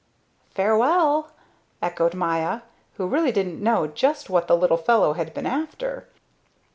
"Farewell," echoed Maya, who really didn't know just what the little fellow had been after.